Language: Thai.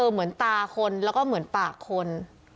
เหมือนตาคนแล้วก็เหมือนปากคน